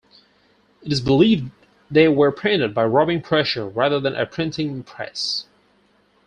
It is believed they were printed by rubbing pressure, rather than a printing press.